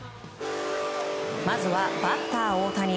まずは、バッター大谷。